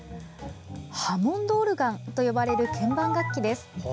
ハモンドオルガンと呼ばれる鍵盤楽器です。